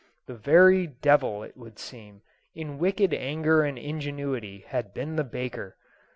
The very de'il, it would seem, in wicked anger and ingenuity, had been the baker.